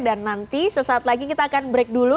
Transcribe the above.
dan nanti sesaat lagi kita akan break dulu